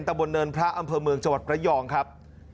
บนเนินพระอำเภอเมืองจังหวัดระยองครับ